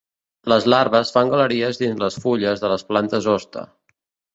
Les larves fan galeries dins les fulles de les plantes hoste.